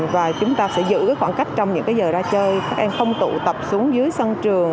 và chúng ta sẽ giữ khoảng cách trong những giờ ra chơi các em không tụ tập xuống dưới sân trường